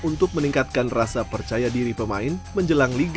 untuk meningkatkan rasa percaya diri pemain menjelang liga satu